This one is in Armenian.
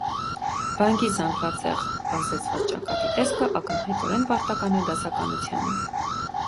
Բանկի զանգվածեղ պարզեցված ճակատի տեսքը ակնհայտորեն պարտական է դասականությանը։